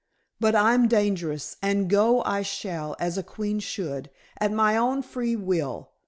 "But I'm dangerous, and go I shall as a queen should, at my own free will.